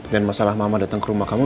dan masalah mama datang ke rumah kamu